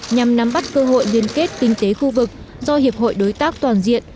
nhằm nắm bắt cơ hội liên kết kinh tế khu vực do hiệp hội đối tác toàn diện